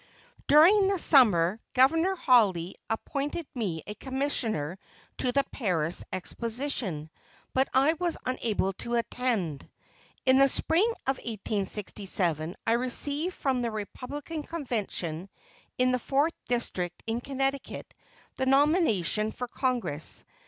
During the summer Governor Hawley appointed me a commissioner to the Paris Exposition, but I was unable to attend. In the spring of 1867, I received from the Republican convention in the Fourth District in Connecticut the nomination for Congress.